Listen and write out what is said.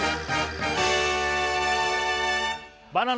バナナ